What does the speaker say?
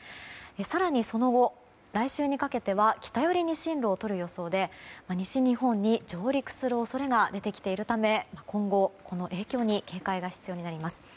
更にその後、来週にかけては北寄りに進路をとる予想で西日本に上陸する恐れが出てきているため今後、影響に警戒が必要になります。